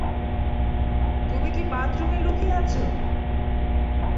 তুমি কি বাথরুমে লুকিয়ে আছো?